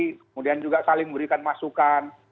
kemudian juga saling memberikan masukan